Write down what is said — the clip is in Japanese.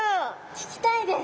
聞きたいです。